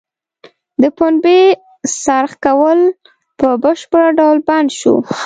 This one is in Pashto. د پنبې څرخ کول په بشپړه ډول بند شو.